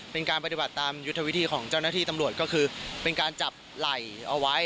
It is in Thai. เป็นการปฏิบัติตามยุทธวิธีของเจ้าหน้าที่ตำรวจก็คือเป็นการจับไหล่เอาไว้